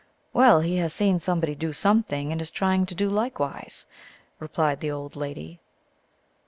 " Well, he has seen somebody do something, and is trying to do likewise," replied the old lady.